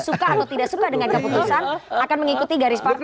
suka atau tidak suka dengan keputusan akan mengikuti garis partai